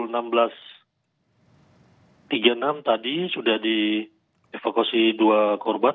tiga puluh enam tadi sudah dievakuasi dua korban